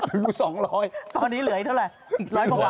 หรือ๒๐๐บาทตอนนี้เหลือเท่าไหร่